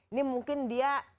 ini mungkin dia